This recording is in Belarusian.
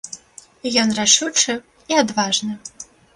Ён рашучы і адважны.